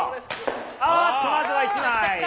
あっと、まずは１枚。